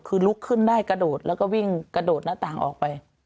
คือลุกขึ้นได้กระโดดแล้วก็วิ่งกระโดดหน้าต่างออกไป